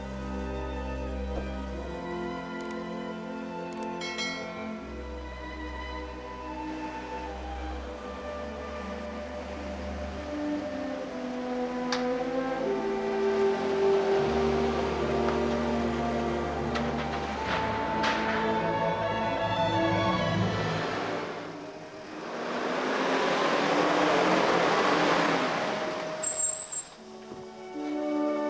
ya siapa diantara kalian bertiga anaknya pak wirjo